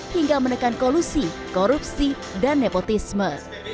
hingga menekan kolusi korupsi dan nepotisme